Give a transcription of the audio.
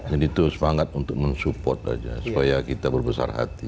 jadi itu semangat untuk mensupport aja supaya kita berbesar hati